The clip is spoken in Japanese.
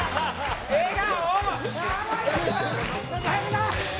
笑顔！